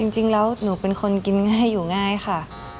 จริงแล้วหนูเป็นคนกินง่ายอยู่ง่ายค่ะ